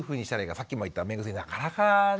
さっきも言った目薬なかなかね？